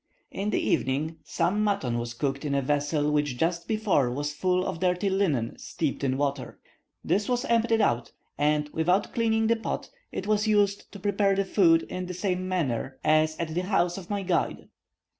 In the evening, some mutton was cooked in a vessel which just before was full of dirty linen steeped in water. This was emptied out, and, without cleaning the pot, it was used to prepare the food in the same manner as at the house of my guide.